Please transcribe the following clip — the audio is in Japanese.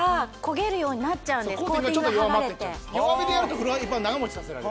弱火でやるとフライパン長持ちさせられる。